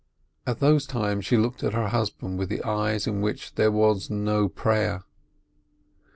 At those times she looked at her husband with eyes in which there was no prayer.